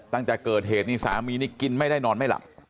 ตั้งแต่เกิดเหตุนี่สามีนี่กินไม่ได้นอนไม่หลับ